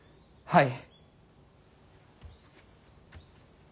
はい！